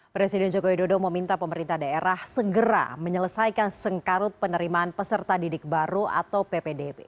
presiden joko widodo meminta pemerintah daerah segera menyelesaikan sengkarut penerimaan peserta didik baru atau ppdb